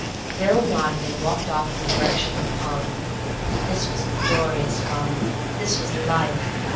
Bill nodded and walked off in the direction of the pond. This was glorious fun; this was life.